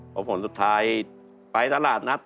เพราะผลสุดท้ายไปตลาดนัด